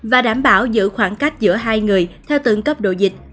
và đảm bảo giữ khoảng cách giữa hai người theo từng cấp độ dịch